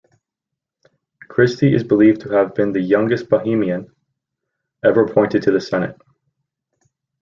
Christie is believed to have been the youngest Bahamian ever appointed to the Senate.